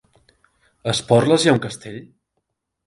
A Esporles hi ha un castell?